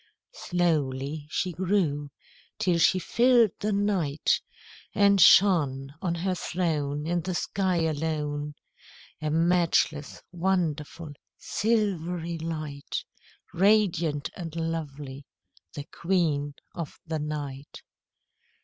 Slowly she grew till she filled the night, And shone On her throne In the sky alone, A matchless, wonderful, silvery light, Radiant and lovely, the Queen of the night.